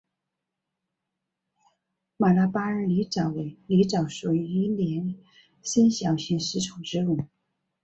马拉巴尔狸藻为狸藻属一年生小型食虫植物。